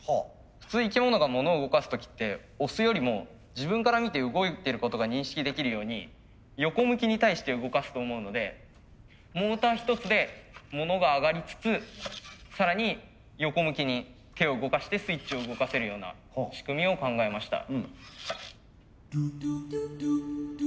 普通生き物がものを動かす時って押すよりも自分から見て動いてることが認識できるように横向きに対して動かすと思うのでモーター一つでものが上がりつつ更に横向きに手を動かしてスイッチを動かせるような仕組みを考えました。